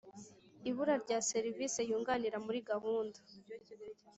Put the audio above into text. Ibura rya serivise yunganira muri gahunda